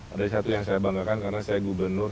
ada satu yang saya banggakan karena saya gubernur